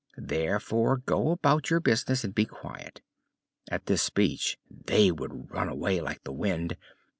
Therefore go about your business and be quiet!' At this speech they would run away like the wind.